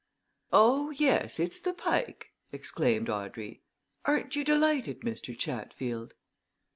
"Oh, yes, it's the Pike," exclaimed Audrey. "Aren't you delighted, Mr. Chatfield."